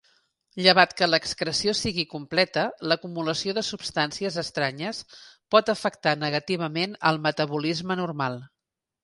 Llevat que l'excreció sigui completa, l'acumulació de substancies estranyes pot afectar negativament el metabolisme normal.